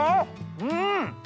うん！